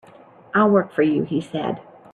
"I'll work for you," he said.